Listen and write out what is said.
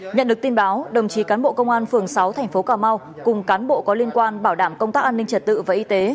nhận được tin báo đồng chí cán bộ công an phường sáu tp cà mau cùng cán bộ có liên quan bảo đảm công tác an ninh trật tự và y tế